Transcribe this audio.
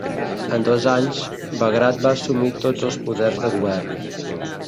En dos anys, Bagrat va assumir tots els poders de govern.